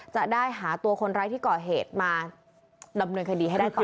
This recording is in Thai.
จะได้หาตัวคนร้ายที่ก่อเหตุมาดำเนินคดีให้ได้ก่อน